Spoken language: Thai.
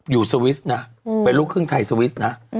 สวิสนะเป็นลูกครึ่งไทยสวิสนะ